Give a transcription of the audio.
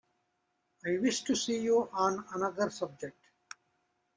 I wish to see you on another subject.